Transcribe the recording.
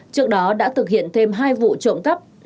trước đó đã thực hiện thêm hai vụ trộm cắp